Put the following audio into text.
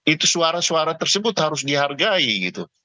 itu suara suara tersebut harus dihargai gitu